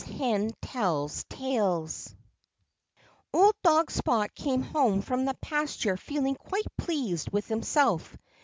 HEN TELLS TALES Old dog Spot came home from the pasture feeling quite pleased with himself.